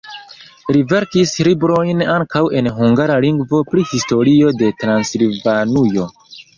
Li verkis librojn ankaŭ en hungara lingvo pri historio de Transilvanujo.